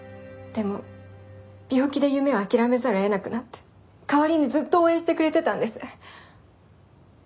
でも病気で夢を諦めざるを得なくなって代わりにずっと応援してくれてたんです。